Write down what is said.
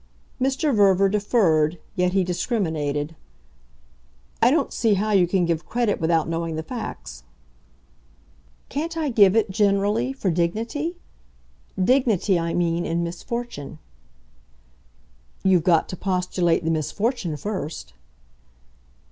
Mr. Verver deferred, yet he discriminated. "I don't see how you can give credit without knowing the facts." "Can't I give it generally for dignity? Dignity, I mean, in misfortune." "You've got to postulate the misfortune first."